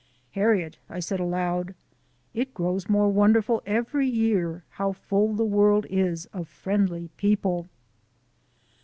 "Harriet," I said aloud, "it grows more wonderful every year how full the world is of friendly people!"